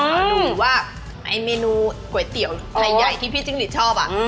ดูว่าเมนูก๋วยเตี๋ยวไทยใหญ่ที่พี่จิ๊กดิชอบอะ